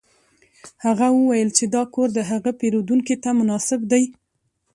هغه وویل چې دا کور د هغه پیرودونکي ته مناسب دی